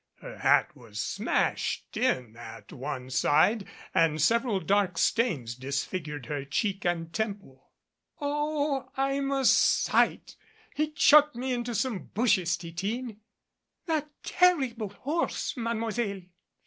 Her hat was smashed in at one side and several dark stains disfigured her cheek and temple. "Oh, I'm a sight. He chucked me into some bushes, Titine " "That terrible horse Mademoiselle !"